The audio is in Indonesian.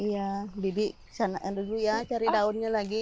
iya bibi dulu ya cari daunnya lagi